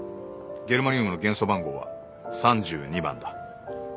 ゲルマニウムの元素番号は３２番だ。